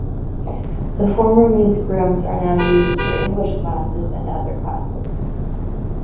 The former music rooms are now used for English classes and other classes.